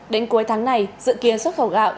đến cuối tháng này dự kiến xuất khẩu gạo